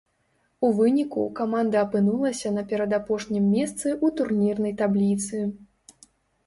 У выніку, каманда апынулася на перадапошнім месцы ў турнірнай табліцы.